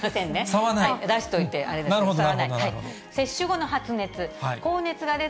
出しといて、あれですが。